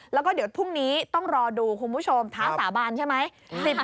แล้วก็เดี๋ยวพรุ่งนี้ต้องรอดูคุณผู้ชมท้าสาบานใช่ไหม